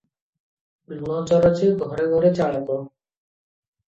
ଲୁଣଚୋର ଯେ ଘରେ ଘରେ ଚଲାକ ।